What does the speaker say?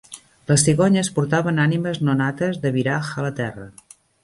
Les cigonyes portaven ànimes no-nates de Vyraj a la Terra.